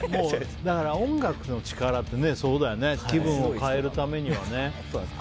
音楽の力って気分を変えるためにはね。